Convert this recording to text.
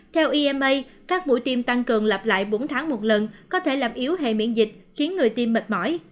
theo ema các mũi tiêm tăng cường lặp lại bốn tháng một lần có thể làm yếu hệ miễn dịch khiến người tiêm mệt mỏi